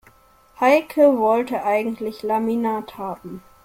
Heike wollte eigentlich Laminat haben.